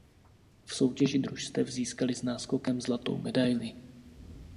V soutěži družstev získaly s náskokem zlatou medaili.